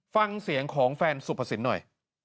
ฟังเสียงของแฟนสุภสินหน่อย